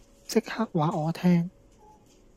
即刻話我聽